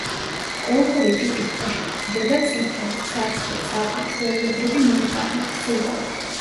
კოლხური ტიპის ტყეში გვხვდება წიფელი, ცაცხვი, წაბლი, ჩვეულებრივი მურყანი, რცხილა.